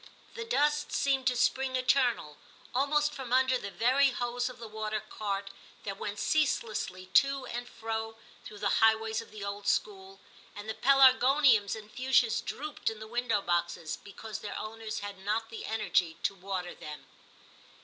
The dust seemed to spring eternal, almost from under the very hose of the water cart that went ceaselessly to and fro through the highways of the old school, and the pelargoniums and fuchsias drooped in the window boxes, because their owners had not the energy to water them.